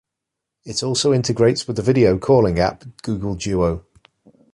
It also integrates with the video calling app Google Duo.